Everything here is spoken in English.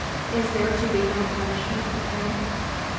"Is there to be no punishment for him?"